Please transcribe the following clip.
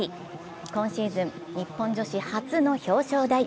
今シーズン日本女子初の表彰台。